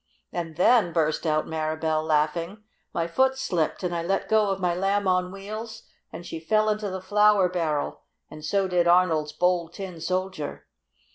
"And then!" burst out Mirabell, laughing, "my foot slipped and I let go of my Lamb on Wheels, and she fell into the flour barrel, and so did Arnold's Bold Tin Soldier."